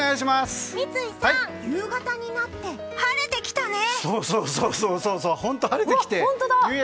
三井さん、夕方になって晴れてきたね！